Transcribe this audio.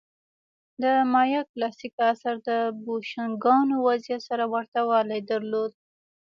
د مایا کلاسیک عصر د بوشونګانو وضعیت سره ورته والی درلود.